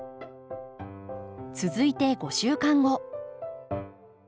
続いて５週間後。